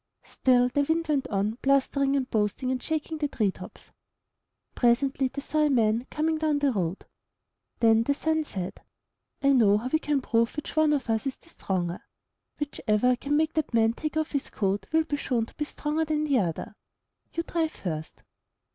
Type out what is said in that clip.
Still the Wind went on blustering and boasting and shaking the treetops. Presently they saw a man coming down the road. Then the Sun said: ''I know how we can prove which one of us is the stronger. Whichever can make that man take off his coat, will be shown to be stronger than the other. You try first."